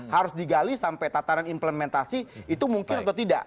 harus digali sampai tataran implementasi itu mungkin atau tidak